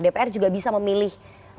dpr juga bisa memilih